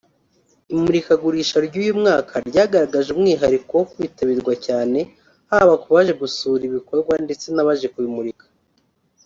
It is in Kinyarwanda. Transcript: Imurikagurisha ry’uyu mwaka ryagaragaje umwihariko wo kwitabirwa cyane haba ku baje gusura ibikorwa ndetse n’abaje kubimurika